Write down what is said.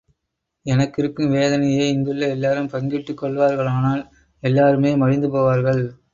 எனக்கு இருக்கும் வேதனையை இங்குள்ள எல்லோரும் பங்கிட்டுக் கொள்வார்களானால், எல்லோருமே மடிந்து போவார்கள்.